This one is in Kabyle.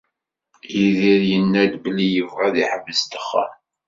Yidir yenna-d belli yebɣa ad iḥbes ddexxan.